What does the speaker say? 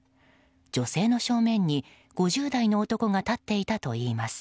女性の正面に５０代の男が立っていたといいます。